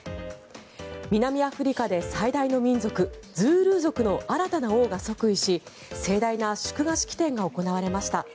南アフリカで最大の民族ズールー族の新たな王が即位し盛大な祝賀式典が行われました。